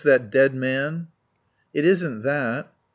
That dead man." "It isn't that."